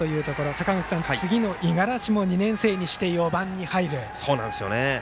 坂口さん、次の五十嵐も２年生にして４番に入るという。